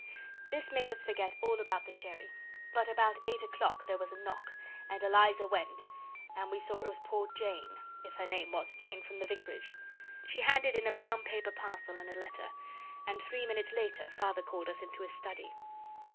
This made us forget all about the sherry; but about eight o'clock there was a knock, and Eliza went, and we saw it was poor Jane, if her name was Jane, from the Vicarage. She handed in a brown paper parcel and a letter. And three minutes later Father called us into his study.